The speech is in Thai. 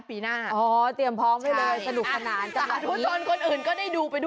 คนนี้ได้ร้อยเพลงหรือนะ